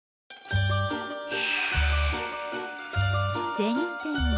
銭天堂。